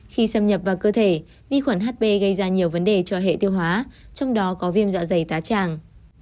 khi xâm nhập vào cơ thể vi khuẩn hb gây ra nhiều vấn đề cho hệ tiêu hóa trong đó có viêm dạ dày tá tràng